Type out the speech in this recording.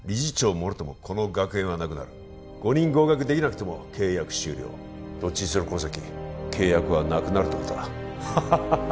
もろともこの学園はなくなる５人合格できなくても契約終了どっちにしろこの先契約はなくなるってことだハハハハハ